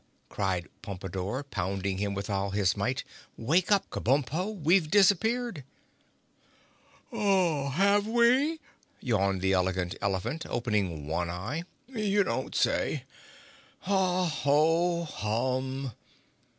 cried Pompadore, pounding him with all his might. "Wake up, Kabumpo. We've disappeared!" "Have we?" yawned the Elegant Elephant, opening one eye. "You don't say? Hah, Hoh, Hum!"